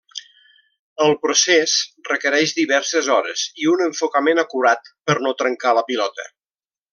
El procés requereix diverses hores i un enfocament acurat per no trencar la pilota.